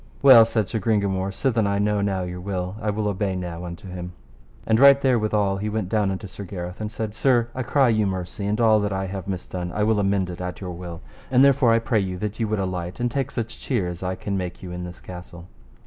Well, said Sir Gringamore, sithen I know now your will, I will obey now unto him. And right therewithal he went down unto Sir Gareth, and said: Sir, I cry you mercy, and all that I have misdone I will amend it at your will. And therefore I pray you that ye would alight, and take such cheer as I can make you in this castle.